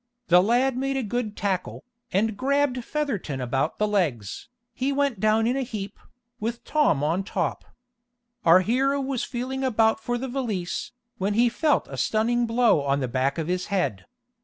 The lad made a good tackle, and grabbed Featherton about the legs. He went down in a heap, with Tom on top. Our hero was feeling about for the valise, when he felt a stunning blow on the back of his head.